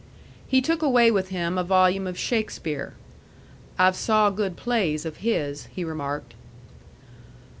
He took away with him a volume of Shakespeare. "I've saw good plays of his," he remarked.